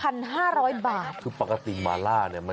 ปกติหม่าล่ามันจะเป็นไปเลยมีความหวานของน้ำพึ่ง